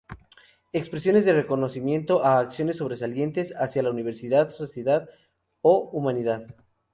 Expresiones de reconocimiento a acciones sobresalientes hacia la Universidad, sociedad o humanidad.